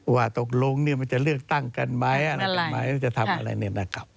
ว่าตกลงมันจะเลือกตั้งกันไหมจะทำอะไร